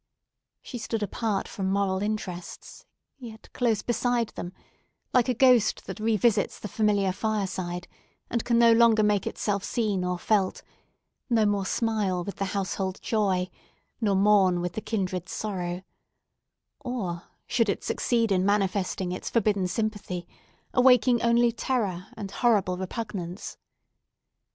She stood apart from mortal interests, yet close beside them, like a ghost that revisits the familiar fireside, and can no longer make itself seen or felt; no more smile with the household joy, nor mourn with the kindred sorrow; or, should it succeed in manifesting its forbidden sympathy, awakening only terror and horrible repugnance.